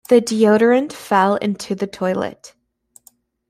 The deodorant fell into the toilet.